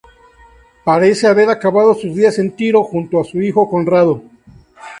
Parece haber acabado sus días en Tiro, junto a su hijo Conrado.